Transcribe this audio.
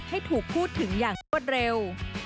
ให้ถูกพูดถึงอย่างรวดเร็ว